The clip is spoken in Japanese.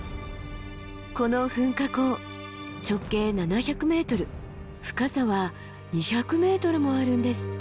この噴火口直径７００ｍ深さは２００ｍもあるんですって。